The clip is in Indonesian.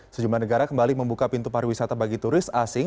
sejumlah negara kembali membuka pintu pariwisata bagi turis asing